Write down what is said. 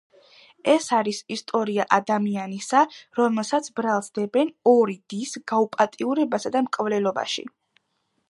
ეს არის ისტორია ადამიანისა, რომელსაც ბრალს დებენ ორი დის გაუპატიურებასა და მკვლელობაში.